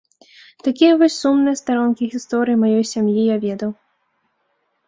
Такія вось сумныя старонкі гісторыі маёй сям'і я ведаў.